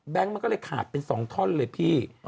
มันก็เลยขาดเป็น๒ท่อนเลยพี่